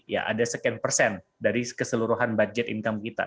ya ada sekian persen dari keseluruhan budget income kita